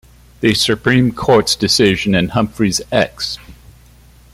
The Supreme Court's decision in Humphrey's Ex.